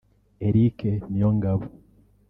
Eric Niyongabo